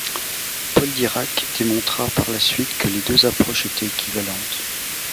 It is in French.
Paul Dirac démontra par la suite que les deux approches étaient équivalentes.